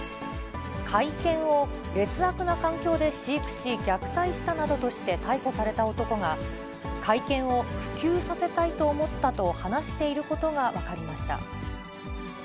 甲斐犬を劣悪な環境で飼育し、虐待したなどとして逮捕された男が、甲斐犬を普及させたいと思ったと話していることが分かりました。